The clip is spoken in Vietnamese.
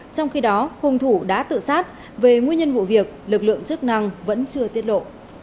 trong khi đó hung thủ đã tự sát về nguyên nhân vụ việc lực lượng chức năng vẫn chưa tiết lộ